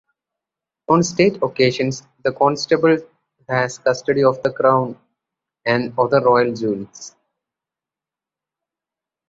On state occasions the Constable has custody of the crown and other royal jewels.